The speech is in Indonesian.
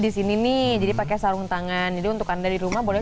sarung tangan jadi untuk anda di rumah boleh